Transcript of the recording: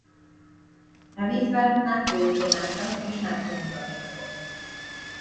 Hevítve nátrium-bromátra és nátrium-bromidra bomlik.